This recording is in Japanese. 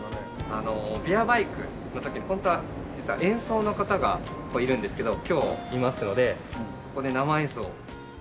あのビアバイクの時にホントは実は演奏の方がいるんですけど今日いますのでここで生演奏を。